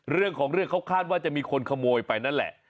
เรื่องของเรื่องเขาคาดว่าจะมีคนขโมยไปนั่นแหละ